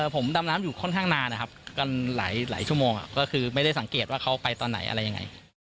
ผมดำน้ำอยู่ค่อนข้างนานนะครับกันหลายชั่วโมงก็คือไม่ได้สังเกตว่าเขาไปตอนไหนอะไรยังไง